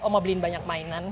mau beliin banyak mainan